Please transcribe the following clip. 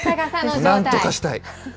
なんとかしたい。